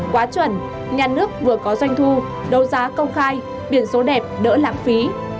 quá chuẩn nhà nước vừa có doanh thu đấu giá công khai biển số đẹp đỡ lãng phí